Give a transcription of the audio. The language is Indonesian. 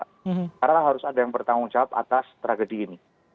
karena harus ada yang bertanggung jawab atas tragedi ini